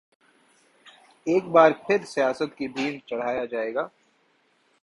ایک بار پھر سیاست کی بھینٹ چڑھایا جائے گا؟